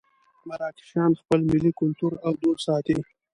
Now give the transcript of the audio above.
مراکشیان خپل ملي کولتور او دود ساتي.